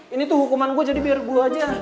ini tuh hukuman gue jadi biar bulu aja